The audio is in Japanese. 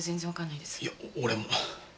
いやお俺も。